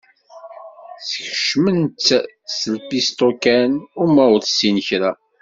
Sskecmen-tt s lpisṭu kan, uma ur tessin kra.